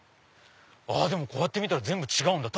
あでもこうやって見たら全部違うんだ。